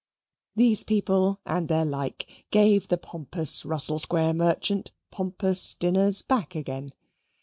These people and their like gave the pompous Russell Square merchant pompous dinners back again.